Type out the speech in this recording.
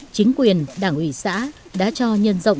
chính quyền đảng ủy xã đã cho nhân rộng